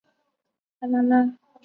治所即元上都。